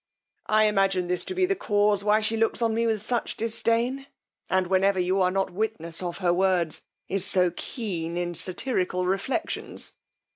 I imagine this to be the cause why she looks on me with such disdain, and, whenever you are not witness of her words, is so keen in satyrical reflections.